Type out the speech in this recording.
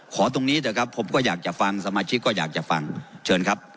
ตรงนี้เถอะครับผมก็อยากจะฟังสมาชิกก็อยากจะฟังเชิญครับ